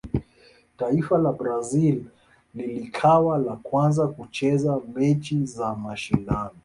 taifa la brazil lilikawa la kwanza kucheza mechi za mashindano